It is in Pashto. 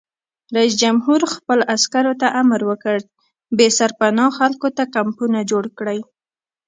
رئیس جمهور خپلو عسکرو ته امر وکړ؛ بې سرپناه خلکو ته کمپونه جوړ کړئ!